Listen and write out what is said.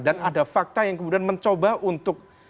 dan ada fakta yang mencoba untuk